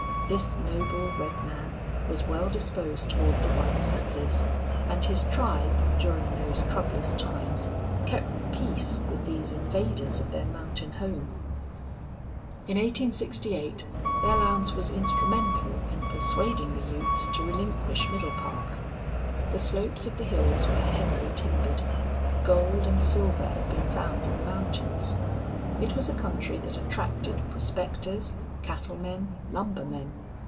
This noble red man was well disposed toward the white settlers, and his tribe, during those troublous times, kept peace with these invaders of their mountain home. In 1868 Belllounds was instrumental in persuading the Utes to relinquish Middle Park. The slopes of the hills were heavily timbered; gold and silver had been found in the mountains. It was a country that attracted prospectors, cattlemen, lumbermen.